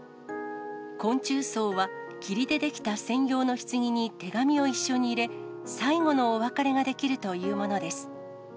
昆虫葬は、きりで出来た専用のひつぎに手紙を一緒に入れ、最後のお別れができるというものです。